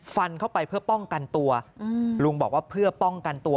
ฟันเข้าไปเพื่อป้องกันตัวลุงบอกว่าเพื่อป้องกันตัว